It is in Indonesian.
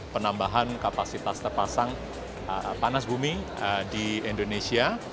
penambahan kapasitas terpasang panas bumi di indonesia